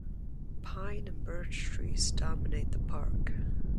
Pine and birch trees dominate the park.